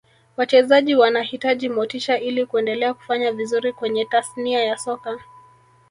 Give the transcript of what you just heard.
wachezaji wanahitaji motisha ili kuendelea kufanya vizuri kwenye tasnia ya soka